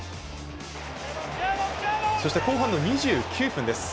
そして、後半の２９分です。